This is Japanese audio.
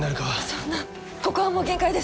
そんなここはもう限界です。